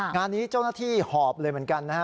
งานนี้เจ้าหน้าที่หอบเลยเหมือนกันนะฮะ